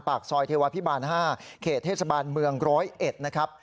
ปากซอยเทวาพิบาล๕เขตเทศบาลเมือง๑๐๑นะครับ